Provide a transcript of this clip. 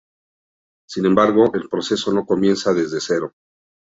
Sin embargo, el proceso no comienza desde cero.